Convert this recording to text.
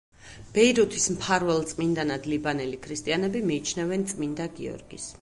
ბეირუთის მფარველ წმინდანად ლიბანელი ქრისტიანები მიიჩნევენ წმინდა გიორგის.